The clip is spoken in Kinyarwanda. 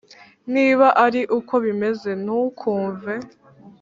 Niba ari uko bimeze ntukumve